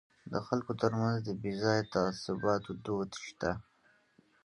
د خلکو ترمنځ د بې ځایه تعصباتو دود شته.